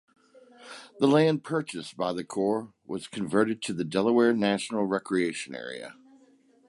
The land purchased by the Corps was converted to the Delaware National Recreation Area.